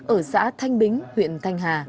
ở xã thanh bính huyện thanh hà